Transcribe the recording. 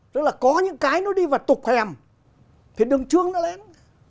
tức là có những cái nó đi vào tục hèm thì đừng trương nó lên